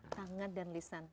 tangan dan lisan